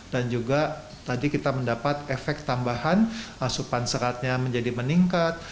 dan juga tadi kita mendapat efek tambahan asupan seratnya menjadi meningkat